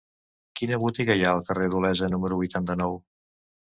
Quina botiga hi ha al carrer d'Olesa número vuitanta-nou?